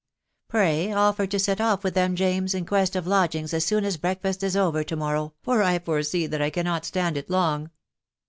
Pray, ofler to set off with them, James, in quest of lodgings as soon as breakfast is over to morrow, for I foresee that I cannot stand it long.